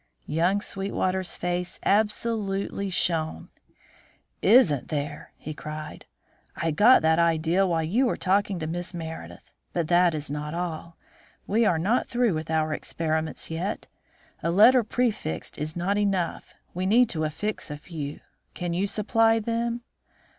Young Sweetwater's face absolutely shone. "Isn't there?" he cried. "I got that idea while you were talking about Miss Meredith. But that is not all. We are not through with our experiments yet. A letter prefixed is not enough. We need to affix a few. Can you supply them?"